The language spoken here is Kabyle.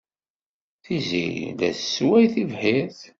Tiziri la tessway tibḥirt.